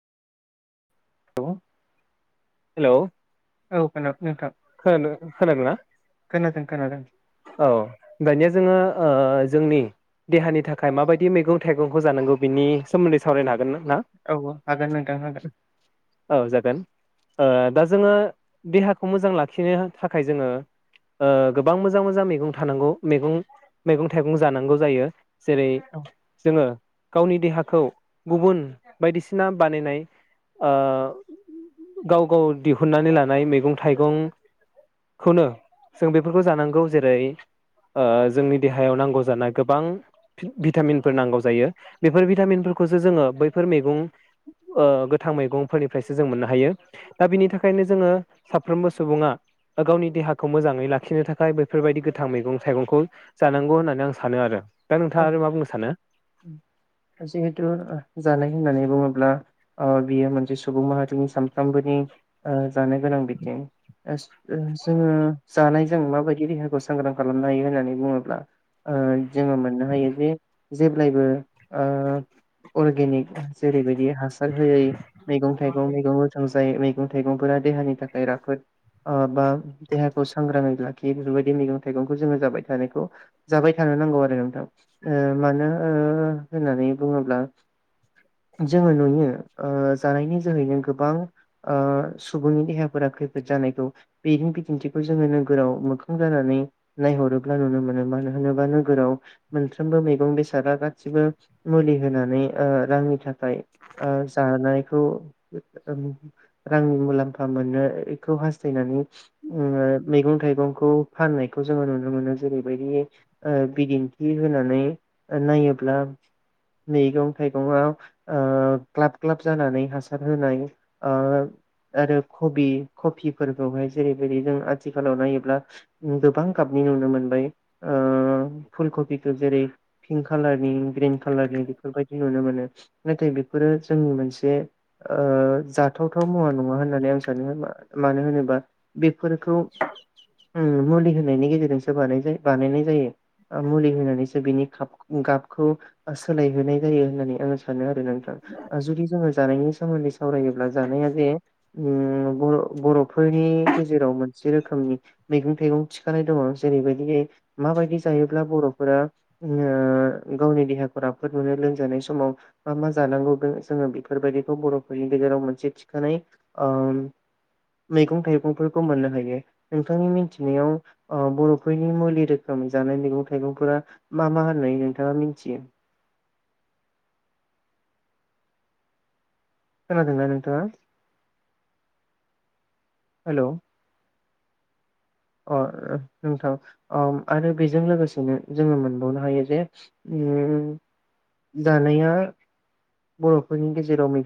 औ। हेलौ। औ खोना नोंथां खोनादों खोनादों ना? खोनादों खोनादों औ दानिया जोङो ओ जोंनि देहानि थाखाय माबायदि मैगं थाइगंखौ जानांगौ बिनि सोमोन्दै सावरायनो हागोन ना? ना? औ औ हागोन नोंथां हागोन। औ जागोन। ओ दा जोङो देहाखौ मोजां ला खिनो थाखाय जोङो ओ गोबां मोजां मोजां मेगं थानांगौ मेगं मेगं थाइगं जानांगौ जायो। जेरै जोङो गावनि देहाखौ गुबुन बायदिसिना बानायनाय ओ गाव गाव दिहुननानै लानाय मेगं थाइगं खौनो जों बेफोरखौ जानांगौ। जेरै ओ जोंनि देहायाव नांगौ जानाय गोबां भिटामिनफोर नांगौ जायो बेफोर भिटामिनफोरखौसो जोङो बैफोर मैगं ओ गोथां मैगंफोरनिफ्रायसो जों मोननो हायो। दा बिनि थाखायनो जोङो साफ्रोमबो सुबुङा गावनि देहाखौ मोजाङै लाखिनो थाखाय बेफोरबायदि गोथां मैगं थाइगंखौ जानांगौ होननानै आं सानो आरो। दा औ नोंथाङा आरो मा बुंनो सानो? जिहेथु जानाय होननानै बुङोब्ला ओ बियो मोनसे सुबुं माहारिनि सानफ्रोमबोनि ओ जानो गोनां बिथिं ओस ओ जोङो जानायजों माबायदि देहाखौ सांग्रां खालामनो हायो होननानै बुङोब्ला ओ जोङो मोननो हायो बे जेब्लायबो ओ अरगेनिक जेरैबायदि हासार होयै मैगं थाइगं मैगं गोथां जाय मैगं थाइगंफोरा देहानि थाखाय राफोद ओ बा देहाखौ सांग्राङै लाखियो बेफोरबायदि मैगं थाइगंखौ जोङो जाबाय थानायखौ जाबाय थानो नांगौ आरो नोंथां ओ मानो ओ होननानै बुङोब्ला जोङो नुयो ओ जानायनि जोहैनो गोबां ओ सुबुंनि देहाफोरा खैफोद जानायखौ बेनि बिदिन्थिखौ जोङो नोगोराव मोखां जानानै नायहरोब्ला नुनो मोनो मानो होनोबा नोगोराव मोनफ्रोमबो मैगं बेसादा गासिबो मुलि होनानै ओ रांनि थाखाय ओ जानायखौ रांनि मुलाम्फा मोननायखौ हास्थायनानै मैगं थाइगंखौ फाननायखौ जोङो नुनो मोनो जेरैबायदि ओ बिदिन्थि होनानै नायोब्ला मैगं थाइगंङाव ओ क्लाब ग्लाब जानानै हासार होनाय ओ आरो कबि कफिफोरखौहाय जेरैबायदि जों आथिखालाव नायोब्ला गोबां गाबनि नुनो मोनबाय ओ फुल कबिखौ जेरै पिंक कालारनि ग्रे खालारनि बेफोरबायदि नुनो मोनो । नाथाय बेफोरो जोंनि मोनसे ओ जाथावथाव मुवा नङा होननानै आं सानो मानो होनोबा बे फोरखौ मुलि हो नायनि गेजेरजोंसो बानाय जायो बानायनाय जायो मुलि होनानैसो बिनि काफ गाबखौ सोलायहोनाय जायो होननानै आंङो सानो आरो नोंथां जुदि जों जानायनि सोमोन्दै सावरायोब्ला जानाया जे बर' बर'फोरनि गेजेराव मोनसे रोखोमनि मैगं थाइगं थिखानाय दङ जेरैबायदि माबायदि जायोब्ला बर'फोरा ओ गावनि देहाखौ राफोद मोनो लोंमजानाय समाव मा मा जानांगौ जोङो बेफोरबायदिखौ बर'फोरनि गेजेराव मोनसे थिखानाय ओ मैगं थाइगंफोरखौ मोननो हायो नोंथांनि मिन्थिनायाव बर'फोरनि मुलि रोखोम जानाय मैगं थाइगंफोरा मा मा होननानै नोंथाङा मिथियो? खोनादों ना नोंथाङा हेलौ । अ नोंथां आरो बेजों लोगोसेनो जोङो मोनबावनो हायो जे उम्म जानाया बर'फोरनि गेजेराव मोनसे